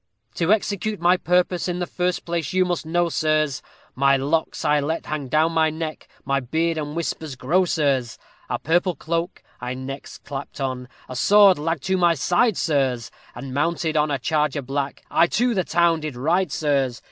_ To execute my purpose, in the first place, you must know, sirs, My locks I let hang down my neck my beard and whiskers grow, sirs; A purple cloak I next clapped on, a sword lagged to my side, sirs, And mounted on a charger black, I to the town did ride, sirs.